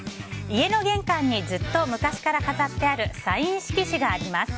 家の玄関にずっと昔から飾ってあるサイン色紙があります。